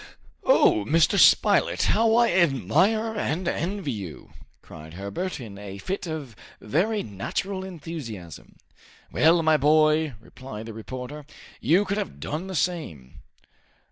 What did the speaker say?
"Oh, Mr. Spilett, how I admire and envy you!" cried Herbert, in a fit of very natural enthusiasm. "Well, my boy," replied the reporter, "you could have done the same."